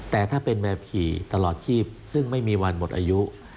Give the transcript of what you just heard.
แต่ถ้าเป็นแบบขี่ตลอดชีพซึ่งไม่มีวันหมดอายุ